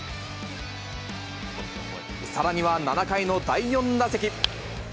さらには７回の第４打席。